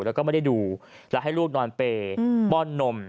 แล้วก็ไม่ได้ดูแล้วให้ลูกนอนเปย์ป้อนนม